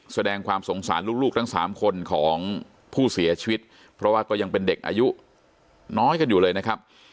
แสดงความสงสารลูกทั้งสามคนของผู้เสียชีวิตเพราะว่าก็ยังเป็นเด็กอายุน้อยกันอยู่เลยนะครับ